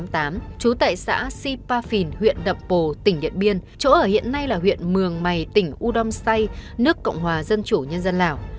trú tại xã si pa phìn huyện nậm pồ tỉnh điện biên chỗ ở hiện nay là huyện mường mày tỉnh udom say nước cộng hòa dân chủ nhân dân lào